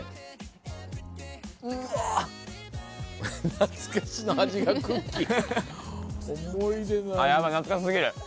懐かしの味がクッキー。